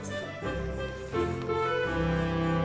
suka suka banget